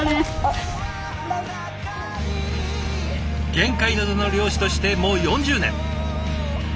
玄界灘の漁師としてもう４０年。